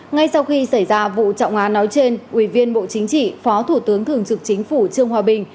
ngay sau khi xảy ra vụ trọng án nói trên ủy viên bộ chính trị phó thủ tướng thường trực chính phủ trương hòa bình